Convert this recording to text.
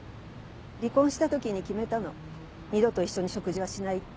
離婚した時に決めたの二度と一緒に食事はしないって。